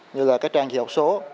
như là các trang chỉ học số